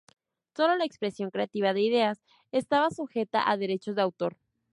Solo la expresión creativa de ideas estaba sujetas a derechos de autor.